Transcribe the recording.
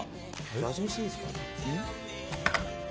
味見していいですか？